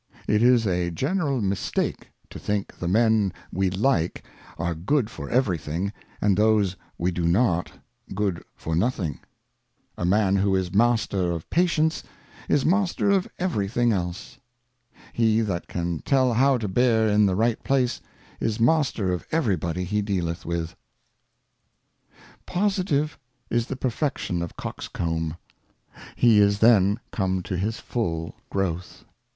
IT is a general Mistake to think the Men we like are good Partia for every thing, and those we do not, good for nothing. '^' A MAN who is Master of Patience, is Master of everything else. Patience. He that can tell how to bear in the right Place, is Master of every body he dealeth with. POSITIVE 2 54 Miscellaneous Thoughts Positive POSITIVE is the Perfection of Coxcomb, he is then come to his full Growth.